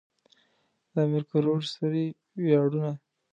د امير کروړ سوري وياړنه.